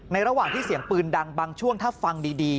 ระหว่างที่เสียงปืนดังบางช่วงถ้าฟังดี